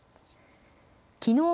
きのう